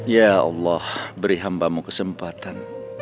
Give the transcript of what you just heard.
ya allah beri hambamu kesempatan